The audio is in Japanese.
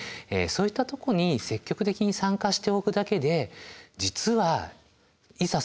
そういったとこに積極的に参加しておくだけで実はいざ